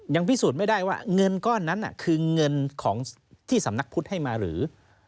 ยังพิสูจน์ไม่ได้ว่าเงินก้อนนั้นคือเงินของที่สำนักพุทธให้มาหรือ